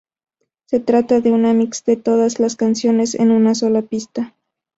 Se trata de un mix de todas las canciones en una sola pista.